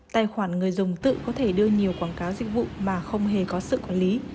tài khoản người dùng tự có thể đưa nhiều quảng cáo dịch vụ mà không hề có sự quản lý